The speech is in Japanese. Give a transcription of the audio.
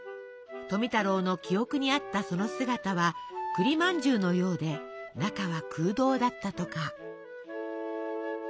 富太郎の記憶にあったその姿は栗まんじゅうのようで中は空洞だったとか。